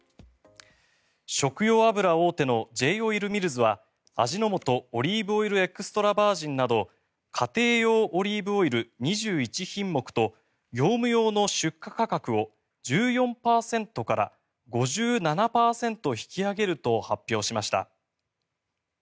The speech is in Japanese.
食用油大手のＪ−オイルミルズはＡＪＩＮＯＭＯＴＯオリーブオイルエクストラバージンなど家庭用オリーブオイル２１品目と業務用の出荷価格を１４％から５７％引き上げると発表しました。